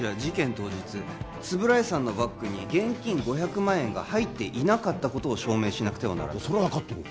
当日円谷さんのバッグに現金５００万円が入っていなかったことを証明しなくてはならないそりゃ分かってるよ